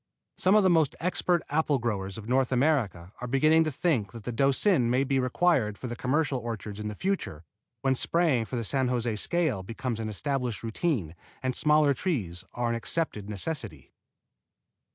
Some of the most expert apple growers of North America are beginning to think that the Doucin may be required for the commercial orchards in the future, when spraying for the San José scale becomes an established routine and smaller trees are an accepted necessity.